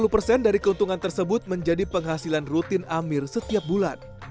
lima puluh persen dari keuntungan tersebut menjadi penghasilan rutin amir setiap bulan